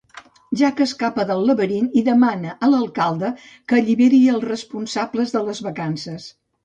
Jack escapa del laberint i demana a l"alcalde que alliberi els responsables de les vacances.